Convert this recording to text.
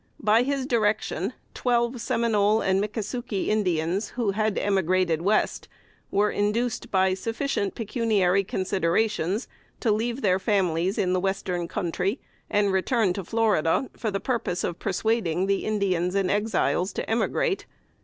By his direction, twelve Seminole and Mickasukie Indians, who had emigrated West, were induced by sufficient pecuniary considerations to leave their families in the Western Country and return to Florida, for the purpose of persuading the Indians and Exiles to emigrate.